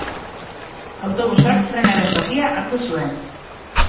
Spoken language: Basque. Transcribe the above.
Autobusak trenaren tokia hartu zuen.